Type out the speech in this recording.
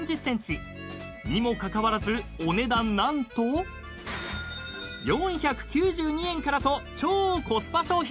［にもかかわらずお値段何と４９２円からと超コスパ商品！］